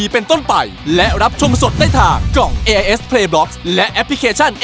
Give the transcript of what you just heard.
โปรดติดตามตอนต่อไป